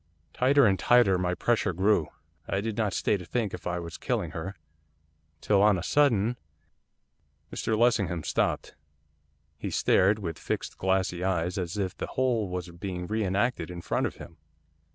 'Tighter and tighter my pressure grew, I did not stay to think if I was killing her till on a sudden ' Mr Lessingham stopped. He stared with fixed, glassy eyes, as if the whole was being re enacted in front of him.